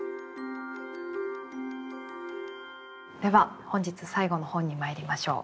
では本日最後の本にまいりましょう。